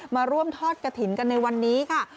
มาร่วมทอดกระถิ่นกันในวันนี้ค่ะ